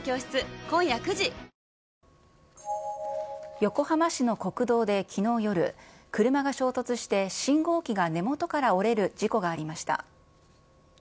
横浜市の国道できのう夜、車が衝突して信号機が根元から折れる事故がありました。